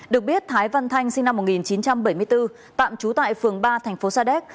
được biết thái văn thanh sinh năm một nghìn chín trăm bảy mươi bốn tạm trú tại phường ba thành phố sa đéc